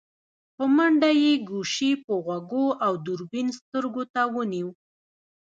په منډه يې ګوشي په غوږو او دوربين سترګو ته ونيو.